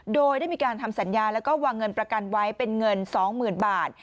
โดยได้มีการทำสัญญาแล้วก็วางเงินประกันไว้เป็นเงิน๒๐๐๐บาท